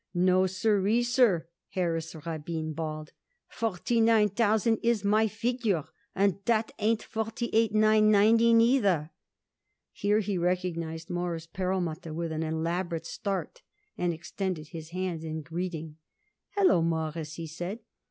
"No, sir_ee_, sir," Harris Rabin bawled. "Forty nine thousand is my figure, and that ain't forty eight nine ninety nine neither." Here he recognized Morris Perlmutter with an elaborate start and extended his hand in greeting. "Hallo, Mawruss," he said.